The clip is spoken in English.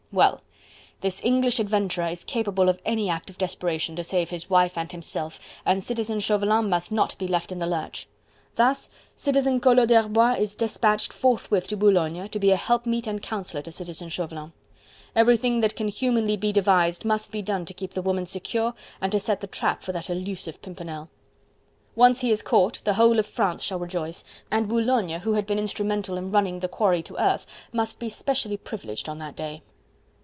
Well! this English adventurer is capable of any act of desperation to save his wife and himself, and Citizen Chauvelin must not be left in the lurch. Thus, Citizen Collot d'Herbois is despatched forthwith to Boulogne to be a helpmeet and counsellor to Citizen Chauvelin. Everything that can humanly be devised must be done to keep the woman secure and to set the trap for that elusive Pimpernel. Once he is caught the whole of France shall rejoice, and Boulogne, who had been instrumental in running the quarry to earth, must be specially privileged on that day.